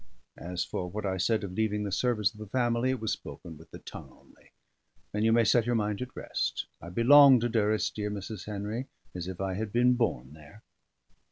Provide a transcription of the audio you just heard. As for what I said of leaving the service of the family, it was spoken with the tongue only; and you may set your mind at rest. I belong to Durrisdeer, Mrs. Henry, as if I had been born there."